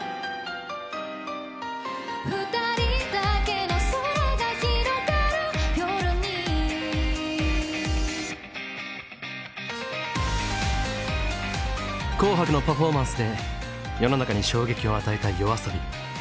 「二人だけの空が広がる夜に」「紅白」のパフォーマンスで世の中に衝撃を与えたＹＯＡＳＯＢＩ。